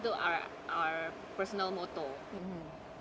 itu adalah motto pribadi kami